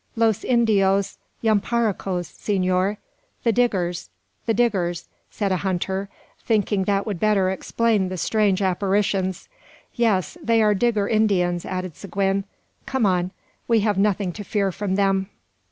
"Los Indios Yamparicos, senor." "The Diggers, the Diggers," said a hunter, thinking that would better explain the strange apparitions. "Yes, they are Digger Indians," added Seguin. "Come on; we have nothing to fear from them."